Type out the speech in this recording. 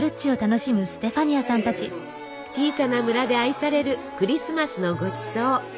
小さな村で愛されるクリスマスのごちそう。